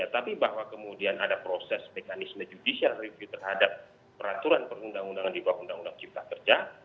tapi bahwa kemudian ada proses mekanisme judicial review terhadap peraturan perundang undangan di bawah undang undang cipta kerja